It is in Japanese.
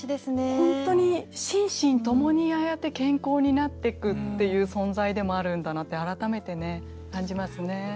本当に心身共にああやって健康になってくっていう存在でもあるんだなって改めてね感じますね。